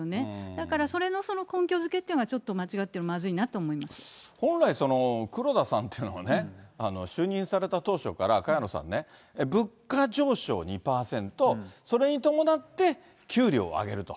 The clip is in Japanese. だからそれのこの根拠づけっていうのがちょっと間違ってる、本来その、黒田さんっていうのはね、就任された当初から、萱野さん、物価上昇２％、それに伴って給料をあげると。